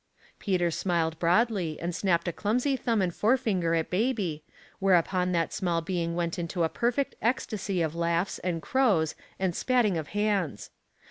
Peter smiled broadly and snapped a clumsy thumb and forefinger at baby, whereupon that small being went into a perfect ecstasy of laughs, and crows, and spatting of hands.